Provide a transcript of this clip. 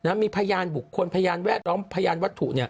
มีพยานบุคคลพยานแวดล้อมพยานวัตถุเนี่ย